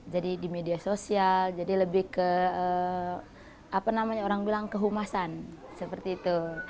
jadi di media sosial jadi lebih ke apa namanya orang bilang kehumasan seperti itu